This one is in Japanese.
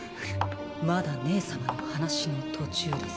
まだ姉様の話の途中です。